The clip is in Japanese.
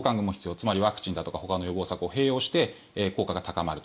つまりワクチンだとかほかの予防策を併用して効果が高まると。